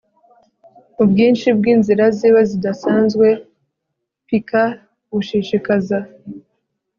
Ubwinshi bwinzira ziwe zidasanzwe piquant gushishikaza